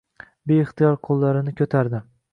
be-ixtiyor qo‘llarini ko‘tardi.